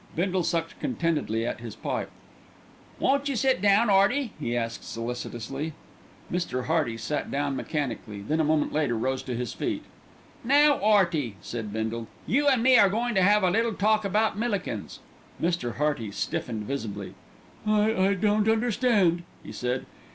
Bindle sucked contentedly at his pipe. "Won't you sit down, 'Earty?" he asked solicitously. Mr. Hearty sat down mechanically, then, a moment later, rose to his feet. "Now, 'Earty," said Bindle, "you and me are goin' to 'ave a little talk about Millikins." Mr. Hearty stiffened visibly. "I I don't understand," he said.